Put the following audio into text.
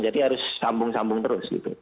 jadi harus sambung sambung terus